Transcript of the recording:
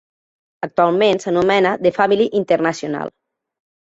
Actualment s'anomena The Family International.